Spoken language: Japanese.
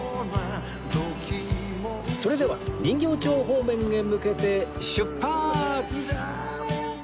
それでは人形町方面へ向けて出発！